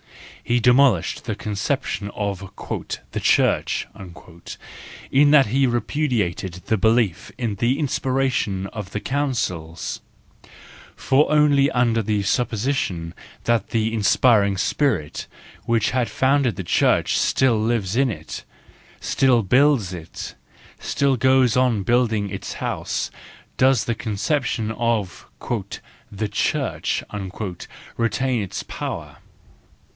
He demolished the conception of "the Church" in that he repudiated the belief in the inspiration of the Councils : for only under the supposition that the inspiring spirit which had founded the Church still lives in it, still builds it, still goes on building its house, does the conception of "the Church" retain its power.